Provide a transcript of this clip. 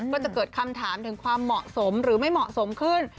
ก็จะเกิดคำถามถึงความเหมาะสมหรือไม่เหมาะสมขึ้น